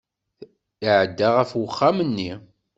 Iɛedda ɣef uxxam-nni.